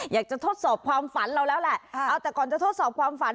ทดสอบความฝันเราแล้วแหละเอาแต่ก่อนจะทดสอบความฝัน